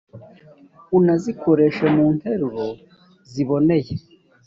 unazikoreshe mu nteruro ziboneye